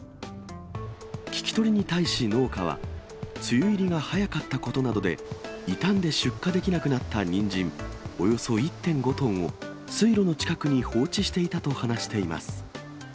聞き取りに対し農家は、梅雨入りが早かったことなどで、傷んで出荷できなくなったニンジン、およそ１．５トンを水路の近くに放置していたと話しています。